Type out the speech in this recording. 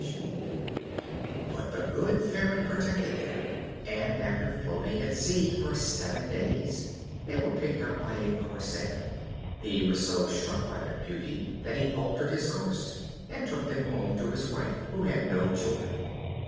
But the good Fairy protected them, and after floating at sea for seven days they were picked up by a Corsair. He was so struck by their beauty that he altered his course, and took them home to his wife, who had no children.